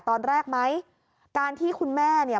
ตอนแรกไหมการที่คุณแม่เนี่ย